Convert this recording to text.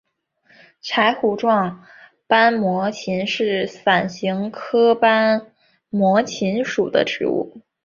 柴胡状斑膜芹是伞形科斑膜芹属的植物。